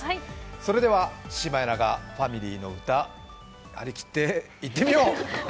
それではシマエナガファミリーの歌、張り切っていってみよう。